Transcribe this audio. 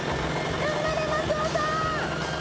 頑張れ松尾さん。